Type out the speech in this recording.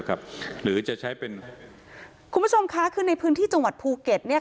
คุณผู้ชมคะคือในพื้นที่จังหวัดภูเก็ต